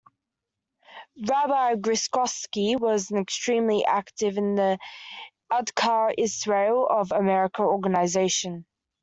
Rabbi Grozovsky was extremely active in the Agudath Israel of America organization.